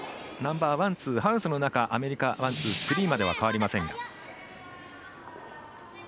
ナンバーワン、ツーハウスの中アメリカワン、ツー、スリーまでは変わりません。